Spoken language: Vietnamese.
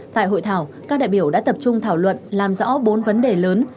tại hội thảo các đại biểu đã tập trung thảo luận làm rõ bốn vấn đề lớn